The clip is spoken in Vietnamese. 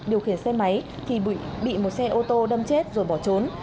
điều khiển xe máy thì bị một xe ô tô đâm chết rồi bỏ trốn